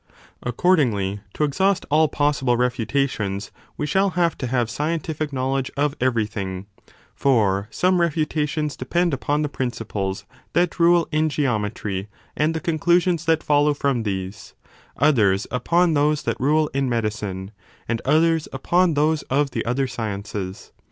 Accordingly, to exhaust all possible refutations we shall have to have scientific knowledge of everything : for some refutations depend upon the principles that rule in geometry and the conclusions that follow from these, others upon those that rule in medicine, and others upon those of the other sciences.